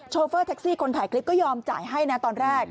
โฟเฟอร์แท็กซี่คนถ่ายคลิปก็ยอมจ่ายให้นะตอนแรก